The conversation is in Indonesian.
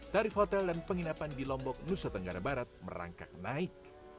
tarif hotel dan penginapan di lombok nusa tenggara barat merangkak naik